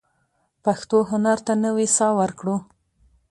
پښتو هنر ته نوې ساه ورکړو.